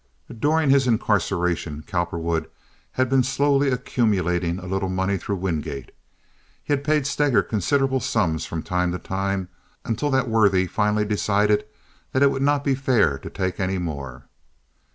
During his incarceration Cowperwood had been slowly accumulating a little money through Wingate. He had paid Steger considerable sums from time to time, until that worthy finally decided that it would not be fair to take any more.